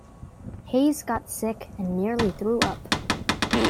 Hayes got sick and nearly threw up.